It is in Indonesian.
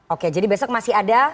oke jadi besok masih ada